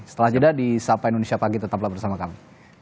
setelah jeda di sapa indonesia pagi tetaplah bersama kami